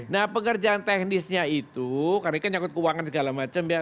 nah pekerjaan teknisnya itu karena ini kan nyakut keuangan segala macam ya